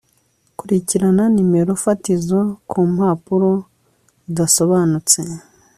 Kurikirana nimero fatizo kumpapuro zidasobanutse